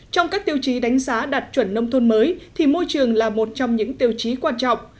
trong các tiêu chí đánh giá đạt chuẩn nông thôn mới thì môi trường là một trong những tiêu chí quan trọng